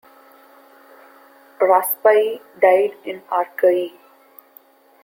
Raspail died in Arcueil.